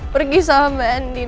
pergi sama mbak andien